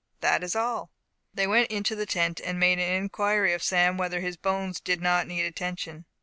That is all." They went into the tent, and made inquiry of Sam whether his bones did not need attention.